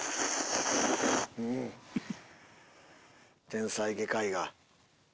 天才外科医が。